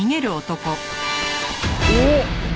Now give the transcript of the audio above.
おっ！